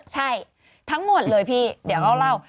ใช่ทั้งหมดเลยพี่เดี๋ยวเขาเล่า